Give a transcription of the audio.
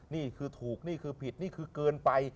นี่คือถูกนี่คือผิดนี่คือเกินไป